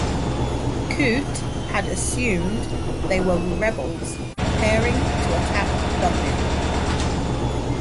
Coote had assumed they were rebels preparing to attack Dublin.